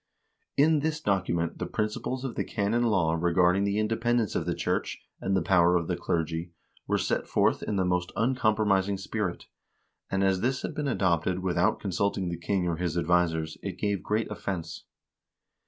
2 In this document the principles of the canon law regarding the independence of the church and the power of the clergy were set forth in the most uncompromising spirit, and as this had been adopted without consulting the king or his advisers, it gave great offense.